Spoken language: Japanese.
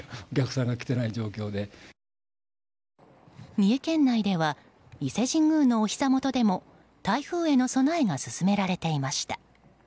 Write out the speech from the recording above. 三重県内では伊勢神宮のおひざ元でも台風への備えが進められていました。